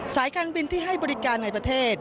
สายการบินที่ให้บริการในประเทศ